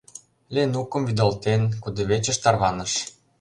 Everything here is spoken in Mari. Ленукым вӱдалтен, кудывечыш тарваныш...